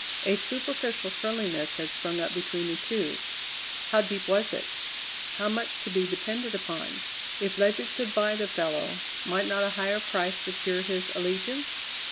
A superficial friendliness had sprung up between the two. How deep was it? how much to be depended upon? If Ledyard could buy the fellow, might not a higher price secure his allegiance?